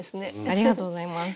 ありがとうございます。